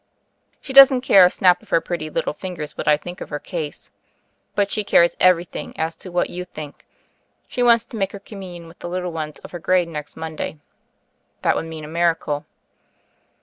She doesn't care a snap I04 THE FAIRY OF THE SNOWS of her pretty little finger what I think of her case; but she cares everything as to what you think. She wants to make her Communion with the little ones of her grade next Monday, That would mean a miracle."